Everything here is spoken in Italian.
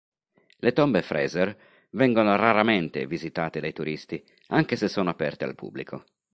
Le tombe Fraser vengono raramente visitate dai turisti, anche se sono aperte al pubblico.